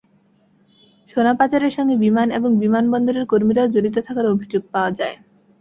সোনা পাচারের সঙ্গে বিমান এবং বিমানবন্দরের কর্মীরাও জড়িত থাকার অভিযোগ পাওয়া যায়।